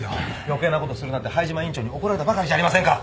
余計なことするなって灰島院長に怒られたばかりじゃありませんか。